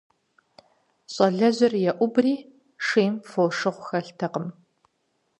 Щӏалэжьыр еӏубри, - шейм фошыгъу хэлътэкъым.